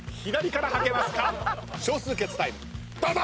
少数決タイムどうぞ！